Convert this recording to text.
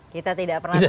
kita tidak pernah tahu